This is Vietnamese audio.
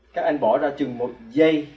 các anh bỏ ra chừng một giây